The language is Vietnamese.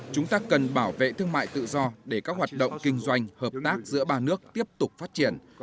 chúng ta cần bảo vệ thương mại tự do để các hoạt động kinh doanh hợp tác giữa ba nước tiếp tục phát triển